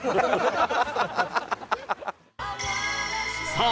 さあ